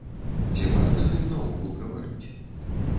Ці варта з ім наогул гаварыць.